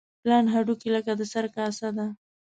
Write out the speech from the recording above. پلن هډوکي لکه د سر کاسه ده.